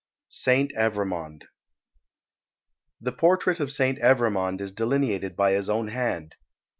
SAINT EVREMOND. The portrait of St. Evremond is delineated by his own hand.